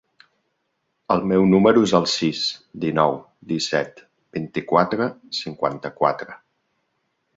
El meu número es el sis, dinou, disset, vint-i-quatre, cinquanta-quatre.